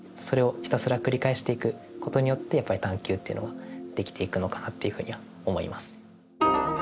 それをひたすら繰り返していくことによってやっぱり探究っていうのはできていくのかなっていうふうには思います。